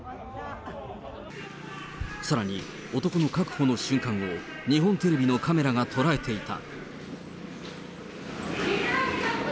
さらに、男の確保の瞬間を、日本テレビのカメラが捉えていた。